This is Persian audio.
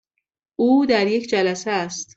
او در یک جلسه است.